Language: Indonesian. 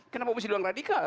kenapa harus diluang radikal